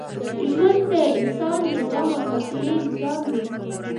ژوند د انسان د زغم او حوصلې امتحان دی.